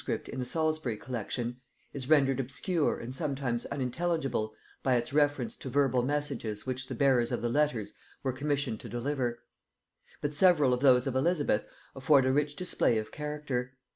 in the Salisbury collection, is rendered obscure and sometimes unintelligible by its reference to verbal messages which the bearers of the letters were commissioned to deliver: but several of those of Elizabeth afford a rich display of character.